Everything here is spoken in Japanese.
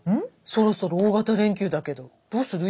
そろそろ大型連休だけどどうする？